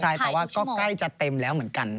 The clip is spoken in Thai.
ใช่แต่ว่าก็ใกล้จะเต็มแล้วเหมือนกัน